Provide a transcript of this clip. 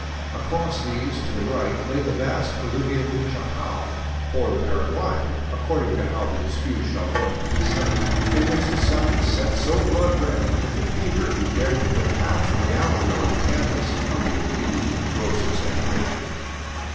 Across these, to the right, lay the vast Bolivian Chaco — or the Paraguayan, accord ing to how the dispute shall finally be settled — in which the sun set so blood red that the painter who dared put half the reality on canvas would be accused of gross exaggeration.